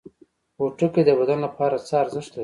پوټکی د بدن لپاره څه ارزښت لري؟